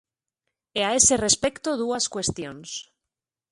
E a ese respecto, dúas cuestións.